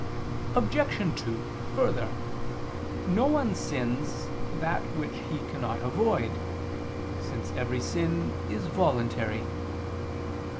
Obj. 2: Further, no one sins that which he cannot avoid, since every sin is voluntary.